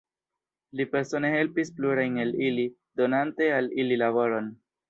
Li persone helpis plurajn el ili, donante al ili laboron.